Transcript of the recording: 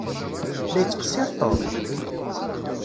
La yettqeṣṣiṛ Tom?